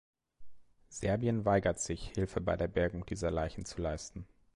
Serbien weigert sich, Hilfe bei der Bergung dieser Leichen zu leisten.